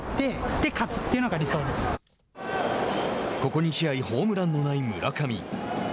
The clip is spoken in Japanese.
ここ第２試合ホームランのない村上。